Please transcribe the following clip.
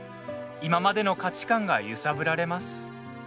今までの価値観が揺さぶられます。